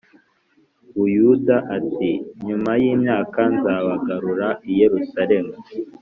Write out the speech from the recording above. Buyuda ati nyuma y imyaka nzabagarura i Yerusalemu